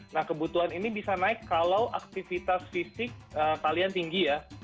nah kebutuhan ini bisa naik kalau aktivitas fisik kalian tinggi ya